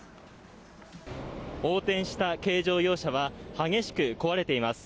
横転した軽乗用車は、激しく壊れています。